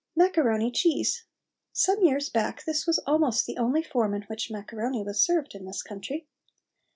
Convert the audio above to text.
MACARONI CHEESE. Some years back this was almost the only form in which macaroni was served in this country.